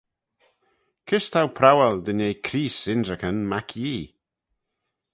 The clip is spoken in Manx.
Kys t'ou prowal dy nee Creest ynrican mac Yee?